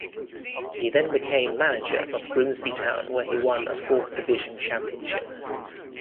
He then became manager of Grimsby Town, where he won a Fourth Division championship.